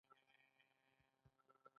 د څادر نه په سر منجيله جوړه کړه۔